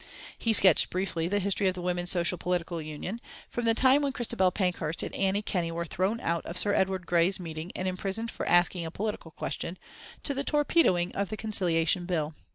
He sketched briefly the history of the Women's Social and Political Union, from the time when Christabel Pankhurst and Annie Kenney were thrown out of Sir Edward Grey's meeting and imprisoned for asking a political question, to the torpedoing of the Conciliation Bill.